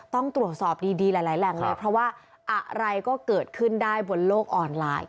ต้องตรวจสอบดีหลายแหล่งเลยเพราะว่าอะไรก็เกิดขึ้นได้บนโลกออนไลน์